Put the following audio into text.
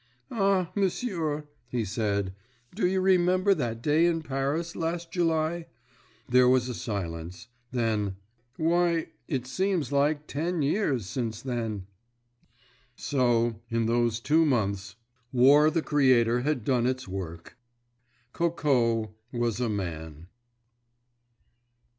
"Ah, m'sieur," he said, "do you remember that day in Paris, last July?" There was a silence. Then—"Why, it seems like ten years since then!" So, in those two months, War the Creator had done its work. Coco was a man.